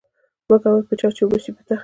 ـ مه کوه په چا ،چې وبشي په تا.